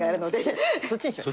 そっちにしよう。